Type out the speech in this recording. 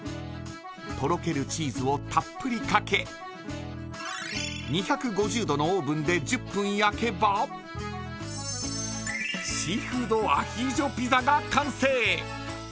とろけるチーズをたっぷりかけ２５０度のオーブンで１０分焼けばシーフードアヒージョピザが完成。